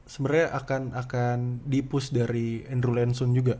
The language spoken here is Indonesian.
sebenernya akan di push dari andrew lansun juga